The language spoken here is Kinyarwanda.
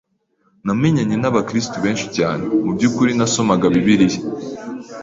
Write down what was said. Namenyanye n’abakirisitu benshi cyane. Mu byukuri nasomaga Bibiliya